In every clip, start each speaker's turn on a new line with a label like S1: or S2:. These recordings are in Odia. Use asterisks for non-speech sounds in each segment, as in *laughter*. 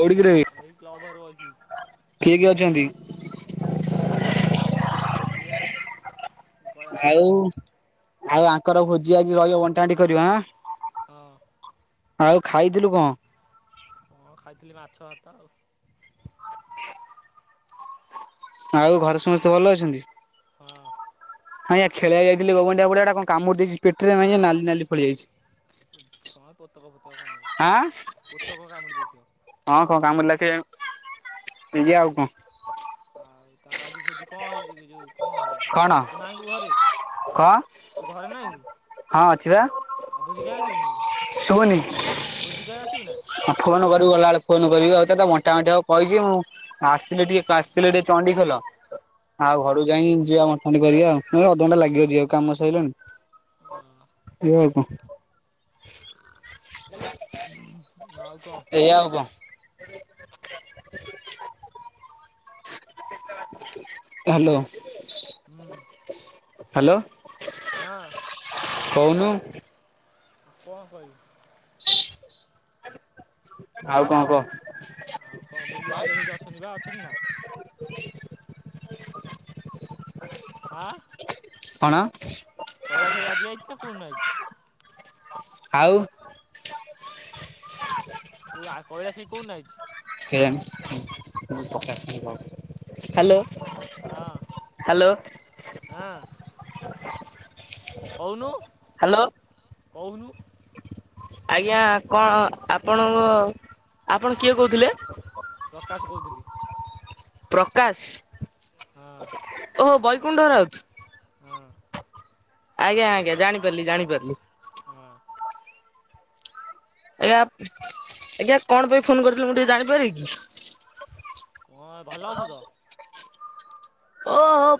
S1: କୋଉଠି କିରେ?
S2: ଏଇ କ୍ଲବ ଘରେ ରେ ବଇଥିଲୁ।
S1: କିଏ କିଏ ଅଛନ୍ତି?
S2: ଆମେ ବଇଥିଲି ବିଶାଲ, ବୁଲିଆ, କୈଳାସ ଭାଈ।
S1: ଆଉ ଆଉ ଆଙ୍କର ଭୋଜି ଆଜି ରହିବ ବଣ୍ଟା ବଣ୍ଟି କରିବ ଆଁ?
S2: ହଁ।
S1: ଆଉ ଖାଇଥିଲୁ କଣ?
S2: କଣ ଖାଇଥିଲି ମାଛ, ଭାତ ଆଉ।
S1: ଆଉ ଘରେ ସମସ୍ତେ ଭଲ ଅଛନ୍ତି?
S2: ହଁ।
S1: ହଁୟା ଖେଳିଆ ଯାଇଥିଲ ଗୋବଣ୍ଡିଆ ପଡିଆ ଗୋଟେ କଣ କାମୁଡି ଦେଇଚି ପେଟରେ ମେଞ୍ଚେ ନାଲି ନାଲି ଫଳି ଯାଇଚି।
S2: କଣ ପୋତକ ଫୋତକ
S1: ଆଁ
S2: କାମୁଡ଼ିଥିବ। ପୋତକ କାମୁଡ଼ି ଦେଇଥିବ।
S1: ହଁ କଣ କାମୁଡିଲା କେଜାଣି। ଏଇଆ ଆଉ କଣ?
S2: ଆଉ ତାଙ୍କର ଆଜି ଭୋଜି କଣ ହେଇଚି ରେ ଯୋଉ କଣ ହବ କିୁ
S1: କଣ
S2: ତୁ ତୁ ତୁ ନାହୁଁ କି ଘରେ।
S1: କଣ?
S2: ତୁ ଘରେ ନାହୁଁକି?
S1: ହଁ ଅଛି ବା
S2: ଆଉ ଭୋଜି ଖାଇ ଯିବୁନୁ କି ଭୋଜି ଖାଇ ଆସିବୁ ନାଁ?
S1: ହଁ ଫୋନ କରିବୁ ଗଲା ବେଳଳେ ଫୋନ କରିବି ଆଉ ତ ବଣ୍ଟା ବଣ୍ଟି ହବ କହିଛି ମୁଁ। ଆସିଥିଲେ ଟିକେ ଆସିଥିଲି ଟିକେ ଚଣ୍ଡିଖୋଲ। ଆଉ ଘରକୁ ଯାଇଁକି ଯିଆ ବଣ୍ଟା କରିବା ଆଉ ମ ଅଧଘଣ୍ଟା ଲାଗିବ ଯିବାକୁ କାମ ସରିଲାଣି। ଏଇଆ ଆଉ କଣ?
S2: ହଁ ଆଉ କଣ?
S1: ଏଇଆ ଆଉ କଣ? ହାଲୋ।
S2: ହୁଁ।
S1: ହାଲୋ
S2: ହଁ
S1: କହୁନୁ?
S2: କଣ କହିବି
S1: ଆଉ କଣ କହ
S2: ଆଉ କଣ ବୁଲିଆହାରଆ ସେଇଠି ଅଛନ୍ତି ବା ଅଛନ୍ତି ନା?
S1: *unintelligible*
S2: ଆଁ
S1: କଣ?
S2: କୈଳାସ ଭାଇ ଆଜି ଆଇଚିନା କୋଉଦିନ ଆଇଚି
S1: ଆଉ
S2: କୁ କୈଳାସ ଭାଈ କୋଉଦିନ ଆଇଚି?
S1: ହାଲୋ।
S2: ହଁ ହଁ କହୁନୁ
S1: ହାଲୋ
S2: କହୁନୁ
S1: ଆଜ୍ଞା କଣ ଆପଣଙ୍କ ଆପଣ କିଏ କହୁଥିଲେ?
S2: ପ୍ରକାଶ କହୁଥିଲି।
S1: ପ୍ରକାଶ।
S2: ହଁ
S1: ଓହୋ ବୈକୁଣ୍ ରାଉତ।
S2: ହଁ
S1: ଆଜ୍ଞା ଆଜ୍ଞା ଜାଣିପାରିଲି ଜାଣିପାରିଲି।
S2: ହୁଁ
S1: ଆଜ୍ଞା ଆଜ୍ଞା କଣ ପାଇଁ ଫୋନ କରିଥିଲି ମୁଁ ଟିକେ ଜାଣିପାରିବି କି?
S2: କଁ ଭଲ ଅଛି ତ।
S1: ଓହୋ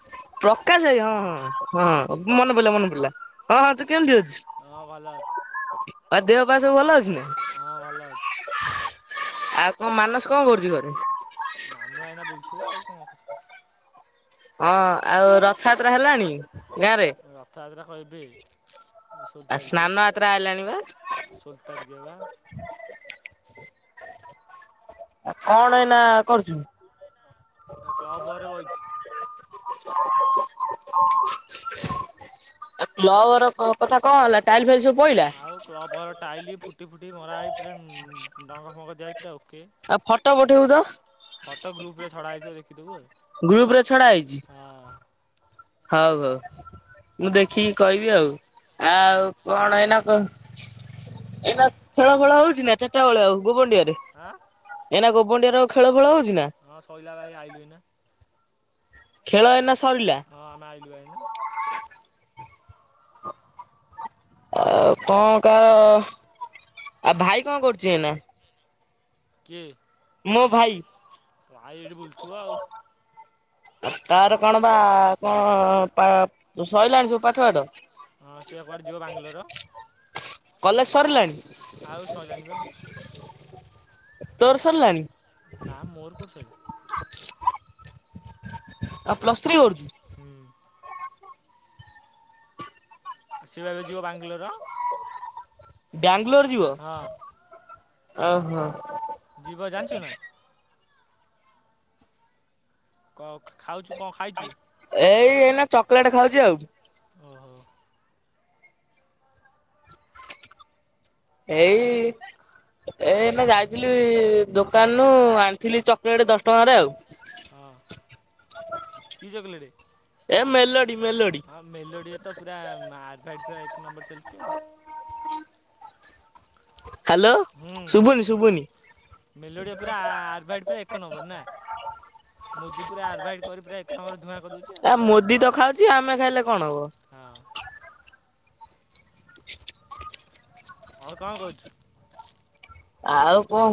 S1: ପ୍ରକାଶ ଭାଇ ହଁ ହଁ ହଁ ମନେ ପଡିଲା ମନେ ପଡିଲା ହଁ ହଁ ତୁ କେମିତି ଅଛୁ।
S2: ହଁ ଭଲ ଅଛି।
S1: ଆ ଦେହ ବା ସବୁ ଭଲ ଅଛି ନା
S2: ହଁ ଭଲ ଅଛି।
S1: ଆଉ କଣ ମାନସ କଣ କରୁଛି ଘରେ?
S2: ମାନୁ ଆଇଁନା ବୁଲଥିବ ଆଉ କଣ କ'ଣ
S1: ହଁ ଆଉ ରଥଯାତ୍ରା ହେଲାଣି? ଗାଁରେ
S2: ରଥଯାତ୍ରା କହିବେ
S1: ଆ ସ୍ନାନ ଆତ୍ରା ଆଇଲାଣି ବା
S2: ସଲତାରିଖ ବା
S1: କଣ ଏଇନା କରୁଛୁ?
S2: ଏ କ୍ଲବ୍ ଘରେ ବହିଛି।
S1: *unintelligible* ଆ କ୍ଲବ ଘର କଥା କଣ ହେଲା ଟାଇଲ ଫାଇଲ୍ ସବୁ ପଇଲା?
S2: ଆଉ କ୍ଲବର ଟାଇଲ ଫୁଟି ଫୁଟି ମରା ହେଇ ପୁରା ଡଙ୍ଗ ଫଙ୍ଗ ଦିଆ ହେଇ ପୁରା ଓକେ।
S1: ଆଉ ଫଟୋ ପଠେଇବୁ ତ
S2: ଫଟୋ ଗ୍ରୁପ ରେ ଛଡ଼ା ହେଇଥିବ ଦେଖିଦେବୁ
S1: ଗ୍ରୁପ ରେ ଛଡା ହେଇଛି।
S2: ଆଉ ହଁ
S1: ହଉ ହଉ ମୁଁ ଦେଖିକି କହିବି ଆଉ ଆଉ କଣ ଏଇନା କ ଏଇନା ଖେଳ ଫେଳ ହଉଛି ନା ଚାରିଟା ବେଆ ଆଉ ଗୋବଣ୍ଡିଆରେ
S2: ଆଁ
S1: ଏଇନା କୋବଡିଆ ର ଖେଳ ଫେଳ ହଉଛି ନା
S2: ହଁ ଶୋଇିଲା ବା ଆଇଲୁ ନା।
S1: ଖେଳ ଏନା ସରିଲା।
S2: ହଁ ଆମେ ଆଲୁ ଆନା
S1: ଆଉ କଣ କା ଆଉ ଭାଇ କଣ କରୁଛି ଏନା
S2: କିଏ
S1: ମୋ ଭାଇ
S2: ଭାଇ ଏଇଠି ବୁଲଥିବ ଆଉ।
S1: ତାର କଣ ବା କଣ ସଇଲାଣି ସବୁ ପାଠ ପାଠ
S2: ହଁ ସିଏ କୁଆଡ଼େ ଯିବ ବାଙ୍ଗଲୋର
S1: କଲେଜ ସରିଲାଣି
S2: ଆଉ ସଇଲାଣି ବା
S1: ତୋର ସରିଲାଣି
S2: ନା ମୋର କୋଉଠି ସଇିଲା।
S1: ଆଉ ପ୍ଲସ୍ ଥ୍ରୀ କରୁଛୁ।
S2: ହୁଁ ସି ବା ଏବେ ଯିବ ବାଙ୍ଗାଲୋର।
S1: ବାଙ୍ଗଲୋର ଯିବ
S2: ହଁ
S1: ଓହୋ
S2: ଯିବ ଜାଣିଛୁ ନା। କ ଖାଉଛୁ କଣ ଖାଇଛୁ?
S1: ଏଇ ଏଇନା ଚକୋଲେଟ ଖାଉଛି ଆଉ
S2: ଓହୋ
S1: ଏଇ। ଏଇ ନା ଯାଇଥିଲି ଦୋକାନରୁ ଆଣିଥିଲି ଚକୋଲେଟ ଦଶ ଟଙ୍କାରେ ଆଉ।
S2: ହଁ। କି ଚକୋଲେଟ?
S1: ଏ ମେଲୋଡି ମେଲୋଡି
S2: ମେଲୋଡ଼ିଏ ତ ପୁରା ଆରଭାଇଡ଼ ପୁରା ଏକ ନମ୍ବର ଚାଲିଛି।
S1: ହ୍ୟାଲୋ ଶୁଭୁନି ଶୁଭୁନି।
S2: ମେଲୋଡ଼ିଆ ପୁରା ଆର ବାଇଟ୍ ପ ଏକ ନମ୍ବର ନା। ମୋଦି ପୁରା ଆରଭାଇଟ କରି ପୁରା ଏକ ନବରେ ଧୂଆଁ କରିଦଉଛି ଆଉ।
S1: ଆ ମୋଦି ତ ଖାଉଛି ଆମେ ଖାଇଲେ କଣ ହବ
S2: ହଁ। ହଁ କଣ କହୁଛୁ।
S1: ଆଉ କଣ?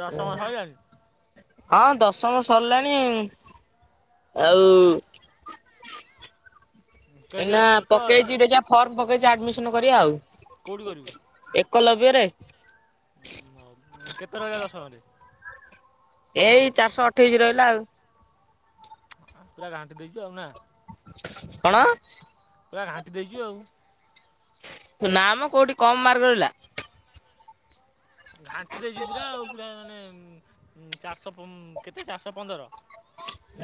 S2: ଦଶମ ସରିଲାଣି
S1: ହଁ ଦଶମ ସରିଲାଣି ଆଉ। ଏ ନା
S2: କେ- କେତେ ରହିଲା?
S1: ପକେଇଛି ଦେଜ ଫର୍ମ ପକେଇଛି ଆଡମିସନ କରିବା
S2: କେଉଁଠି
S1: ଆଉ
S2: କରିବୁ
S1: ଏକ ଲବ୍ୟ ରେ।
S2: ହଉ କେତେ ରହିଲା ଦଶମରେ।
S1: ଏଇ ଚାରିଶହ ଅଠେଇଶି ରହିଲା ଆଉ।
S2: ପୁରା ଘାଣ୍ଟି ଦେଇଛୁ ଆଉ ନା।
S1: କଣ?
S2: ପୁରା ଘାଣ୍ଟି ଦେଇଛୁ ଆଉ।
S1: ନା ମ କୋଉଠି କମ ମାର୍କ ରହିଲା।
S2: ଘାଣ୍ଟି ଦେଉଛୁ ପୁରା ଆଉ ପୁରା ମାନେ ଚାରିଶହ କେତେ ଚାରିଶହ ପନ୍ଦର।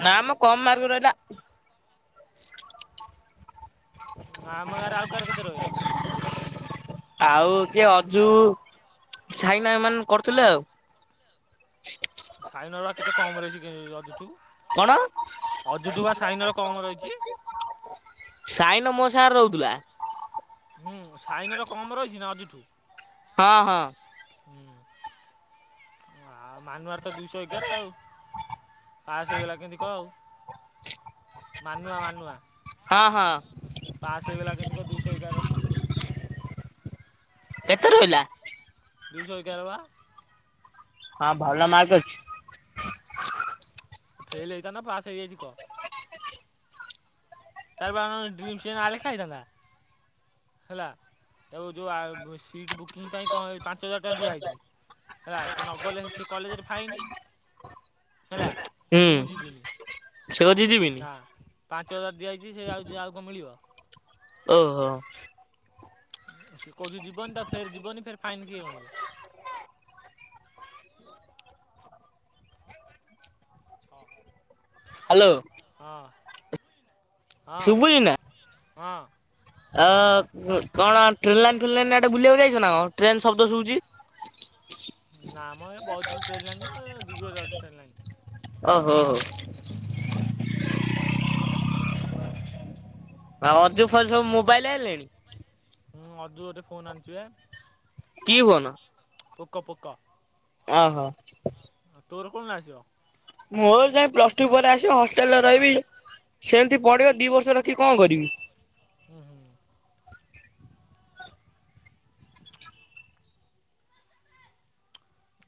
S1: ନା ମ କମ ମାର୍କ ରହିଲା।
S2: ଆମ ଗା ରେ ଆଉ କାହାର କେତେ ରହିଲା।
S1: ଆଉ କିଏ ଅଜୁ ସାଇନା ଏମାନେ କରୁଥିଲେ ଆଉ।
S2: ସାଇନ ର ବା କେତେ କମ ରହିଛି କି ଅଜୁଠୁ।
S1: କଣ
S2: ଅଜୁଠୁ ବା ସାଇନ ର କମ ରହିଛି।
S1: ସାଇନ ମୋ ସାଙ୍ଗ ରେ ରହୁଥିଲା।
S2: ହୁଁ ସାଇନର କମ୍ ରହିଛି ନା ଅଜୁଠୁ।
S1: ହଁ ହଁ।
S2: ହୁଁ ଆଉ ମାନୁଆର ତ ଦୁଇଶହ ଏଗାର ଆଉ। ପାସ୍ ହେଇଗଲା କେମିତି କହ ଆଉ ମାନୁଆ ମାନୁଆ
S1: ହଁ ହଁ
S2: ପାସ୍ ହେଇଗଲା କେମିତି କହ ଦୁଇଶହ ଏଗାର ର
S1: କେତେ ରହେଲା?
S2: ଦୁଇଶହ ଏଗାର ବା
S1: ହଁ ଭଲ ମାର୍କ ଅଛି।
S2: ଫେଲ ହେଇଥାନ୍ତା ପାସ୍ ହେଇଯାଇଛି କହ। ତାପ *unintelligible* ଆଲେେଖାାଇଥାନ୍ତା। ହେଲା ତାକୁ ଯେଉଁ ସିଟ୍ ବୁକିଂ ପାଇଁ କଣ ପାଞ୍ଚ ହଜାର ଟଙ୍କା ଦିଆହେଇଛି। ହେଲା ସେ ନଗଲେ ସେ କଲେଜରେ ଫାଇନି ହେଲା। କହୁଛି
S1: ହୁଁ
S2: ମୁଁ ଯିବିନି
S1: ସେ କହୁଛି ଯିବିନି
S2: ନା ପାଞ୍ଚ ହଜାର ଦିଆଯାଇଛି ସେଉ ଯ ଆଉ କଣ ମିଳିବ?
S1: ଓହୋ
S2: ସେ କହୁଛି ଯିବନି ତ ଫେର ଯିବନି ଫେର୍ ଫାଇନ୍ କିଏ ଗଣିବ?
S1: ହ୍ୟାଲୋ।
S2: ହଁ ହଁ ହଁ
S1: ଶୁଭୁଛି ନା?
S2: ହଁ
S1: ଅ କଣ ଟ୍ରେନ୍ ଲାଇନ୍ ଫେନ୍ ଲାଇନେ ବୁଲିବାକୁ ଯାଇଛ ନା ଟ୍ରେନ ଶବ୍ଦ ଶୁଭୁଛି।
S2: ନା ମ ଏ ବଇଥିଲ ଟ୍ରେନ୍ ଲାଇନ୍ରେ ଦୀଘ ଯାଉଛି ଟ୍ରେନ୍ ଲାଇନ୍।
S1: ଓ ହୋ ହୋ ଆଉ ଅଜୁ ଫଜୁ ସବୁ ମୋବାଇଲ୍ ଆଇଁଲେଣି?
S2: ହୁଁ ଅଜୁ ଗୋଟେ ଫୋନ୍ ଆଣିଛି ବା।
S1: କି ଫୋନ୍?
S2: ପୋକ -ପୋକ।
S1: ଓହୋ
S2: ହଁ ତୋର କଣ ଆସିବ?
S1: ମୋର ଯାଇ ପ୍ଲସ୍ ଟୁ ପରେ ଆସିବ ହଷ୍ଟେଲରେ ରହିବି ସେମିତି ପଡ଼ିବ ଦି ବର୍ଷ ରଖି କଣ କରିବି।
S2: ହଁ- ହଁ -ହଁ।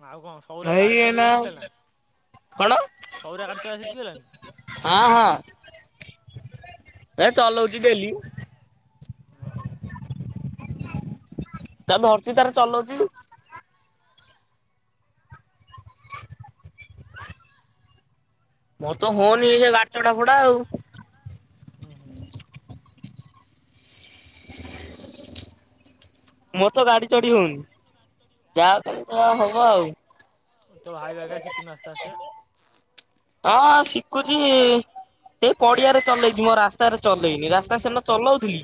S2: ଆଉ କଣ ସବୁରା
S1: ଏଇ
S2: ଗାଡି ଚଲେଇ
S1: ଏଇନା
S2: ଯାଉଥିଲେ ନା
S1: କଣ
S2: ସବୁରା ଗାଡି ଚଲେଇ ଶିକିଗଲେଣି?
S1: ହଁ- ହଁ ଏ ଚଲଉଚି ଡେଲି।
S2: ଓହୋ
S1: ତା ଧର୍ ଚି ତାର ଚଲଉଚି। *unintelligible* ମୋର ତ ହଉନି ଇଏ ବାଟ ଟା ପଡା ଆଉ।
S2: ହୁଁ - ହୁଁ
S1: ମୋର ତ ଗାଡି ଚଢି ହଉନି ଯାହା କ ଯାହା ହବ ଆଉ
S2: ତ ହାଇୱା ହକା ସିକୁନୁ ଆସ୍ତେ ଆସ୍ତେ।
S1: ହଁ ହଁ ଶିକୁଚି ସେ ପଡିଆରେ ଚଲେଇଚି ମୋ ରାସ୍ତାରେ ଚଲେଇନି ରାସ୍ତା ସେନା ଚଲଉଥିଲି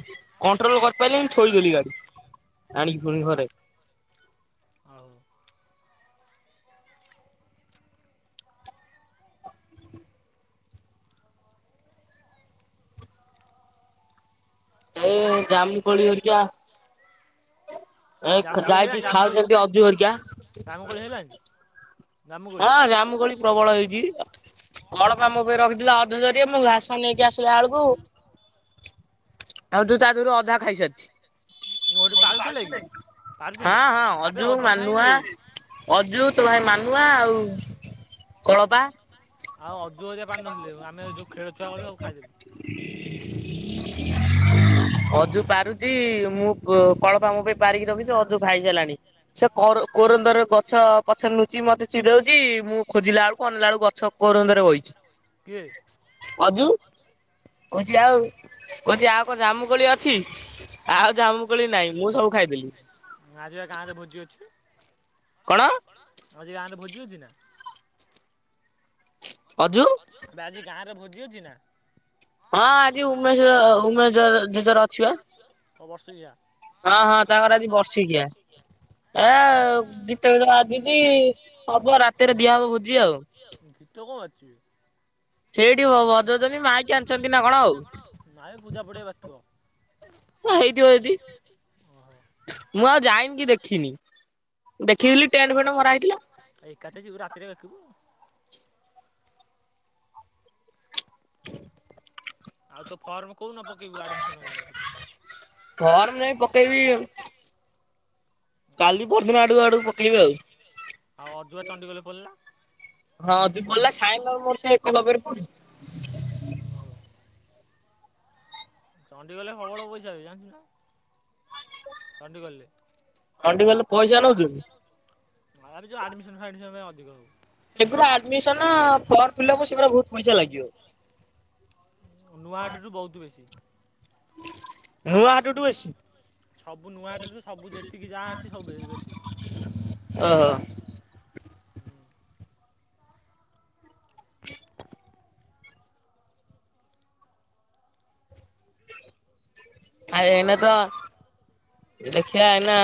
S1: କଣ୍ଟ୍ରୋଲ କରିପାରିଲିନି ଥୋଇଦେଲି ଗାଡି ଆଣିକି ପୁଣି ଘରେ।
S2: ଆଉ
S1: *unintelligible* ଏ ଜାମୁକୋଳି ହେରିକା ଏ
S2: ଜାମୁକୋଳି ହେଲାଣି
S1: ଯାଇକି
S2: ଜାମୁକୋଳି
S1: ଖାଉଚନ୍ତି ଅଜୁ ହେରିକା।
S2: ଜାମୁକୋଳି ହେଲାଣି? ଜାମୁକୋଳି
S1: ହଁ ଜାମୁକୋଳି ପ୍ରବଳ ହେଇଚି। କଣ ପା ା ମୋ ପେ ରଖିଥିଲା ଅଧ ଜରିଏ ମୁଁ ଘାସ ନେଇକି ଆସିଲା ବଳକୁ ଅଜୁ ତା ଥିରୁ ଅଧା ଖାଇସାରିଚି।
S2: ଗୋଟେ ପାରୁଥିଲା କି
S1: *inaudible*
S2: ପାରୁଥିଲେ
S1: ହଁ- ହଁ
S2: ଆବେ
S1: ଅଜୁ, ମାନୁଆ
S2: ଖାଇନିବେ
S1: ଅଜୁ ତୋ ଭାଇ ମାନୁଆ ଆଉ କଳପା
S2: ଆଉ ଅଜୁ ଅଜା ପାରୁନଥିଲେ ଆମେ ଯଉ ଖେଳ ଛୁଆ କୁ ସବୁ ଖାଇଦେଲି।
S1: *inaudible* ଅଜୁ ପାରୁଚି ମୁଁ କଳପା ମୋ ପେ ପାରିକି ରଖିଚି ଅଜୁ ଖାଇ ସାଇଲାଣି। ସେ କର କୋରନ୍ଦରେ ଗଛ ପଛରେ ନୁଚ୍ ଚି ମତେ ଚିଡଉଚି ମୁଁ ଖୋଜିଲା ବଳକୁ ଅନେଇଲା ବଳକୁ ଗଛ କରୋନ୍ଦ ରେ ବଇଚି‌।
S2: କିଏ?
S1: ଅଜୁ। କହୁଚି
S2: ଓହୋ
S1: ଆଉ କହୁଚି ଆଉ କଣ ଜାମୁକୋଳି ଅଛି? ଆଉ ଜାମୁକୋଳି ନାଇଁ ମୁଁ ସବୁ ଖାଇଦେଲି।
S2: ଆଜିି ବା ଗାଁରେ ଭୋଜି ଅଛି।
S1: କଣ?
S2: ଆଉ ଗାଁରେ ଭୋଜି ଅଛି ନା?
S1: ଅଜୁ।
S2: ବେ ଆଜି ଗାଁରେ ଭୋଜି ଅଛି ନା?
S1: ହଁ ଆଜି ଉମେଶ ଉମେଶ ଜେଜର ଅଛିି ବା।
S2: ଓ ବର୍ଷିକିଆ?
S1: ହଁ ହଁ ତାଙ୍କର ଆଜି ବର୍ଷିକିଆ। ଏ ଗୀତ ଫିତ ବାଜୁଛି ହବ ରାତିରେ ଦିଆ ହବ ଭୋଜି ଆଉ।
S2: ଗୀତ କଣ ବାଜୁଚି ବେ?
S1: ସେଇଠି ବଜଉଛନ୍ତି ମାଇକି ଆଣିଛନ୍ତି ନା କଣ ଆଉ
S2: ନାଇ ପୂଜା ପଡିଆ ବାଜୁଥିବ।
S1: ହେଇଥିବ ଯଦି।
S2: ଅ ହ।
S1: ମୁଁ ଆଉ ଯାଇନି କି ଦେଖିନି, ଦେଖିଥିଲି ଟେଣ୍ଡ ଫେଣ୍ଡ ମରା ହେଇଥିଲା।
S2: ଏକାତ ଯିବୁ, ରାତିରେ ଦେଖିବୁ। ଆଉ ତୁ ଫର୍ମ କୋଉ ଦିନ ପକେଇବୁ? ଆଡମିସନ ହେଇ
S1: ଫର୍ମ ନାଇଁ ପକେଇବି କାଲି ପରଦିନ ଆଡୁକୁ ଆଡୁକୁ ପକେଇବି ଆଉ।
S2: ଆଉ ଅଜୁ ବା ଚଣ୍ଡିଖୋଲରେ ପଢିଲା।
S1: ଅଜୁ ପଢିଲା ସାୟନ ମୋର ସେ ଏକଲଭ୍ୟରେ ପଢୁଚି
S2: ଓହୋ ଚଣ୍ଡିଖୋଲୋରେ *unintelligible* ପଇସା ବେ ଜାଣିଛୁ ନା? ଚଣ୍ଡିଖୋଲରେ
S1: ଚଣ୍ଡିଖୋଲୋରେ ପଇସା ନେଉଛନ୍ତି?
S2: ଆଡେ ଯୋଉ ଆଡ଼ିମିସନ୍ ଫାଡିମିସନ୍ ପାଇଁ ଅଧିକ ହଉ
S1: ଏଗୁରା ଆଡିମିସନ୍ ଫର୍ମ ଫିଲପ୍ ସେଗୁରା ବହୁତ ପଇସା ଲାଗିବ।
S2: ନୂଆହାଟ ରୁ ବହୁତ୍ ବେଶୀ।
S1: ନୁଆ ହାଟ ଟୁ ବେଶୀ
S2: ସବୁ ନୂଆହାଟ ରୁ ସବୁ ଯେତିକି ଯାହା ଅଛି ସବ୍ ବେ ସବୁ ବେଶୀ।
S1: ଓହୋ। ଆ ଏଇନେ ତ ଦେଖିଆ ଏଇନା